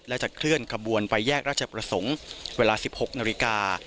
และจะเคลื่อนขบวนไปแยกราชประสงค์เวลา๑๖นาฬิกา